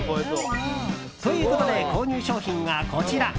ということで、購入商品がこちら。